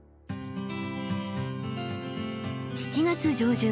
７月上旬。